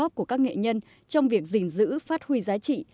góp của các nghệ nhân trong việc gìn giữ phát huy giá trị